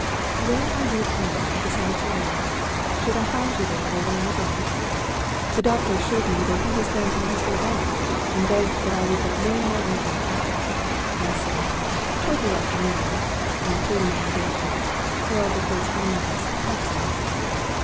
When are you at home at the Sanitarium? Should I find you there later in the day?' "The doctor assured me that he was then on his way back, and begged that I would name my own hour. I said, 'Toward the afternoon;' and, pleading an engagement, hailed the first omnibus that passed us.